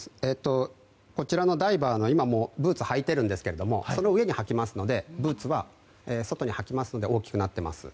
こちらのダイバーは今、ブーツをもう履いていますがその上に履きますのでブーツは外に履きますので大きくなってます。